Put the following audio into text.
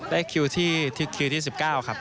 ได้คิวที่๑๙ครับ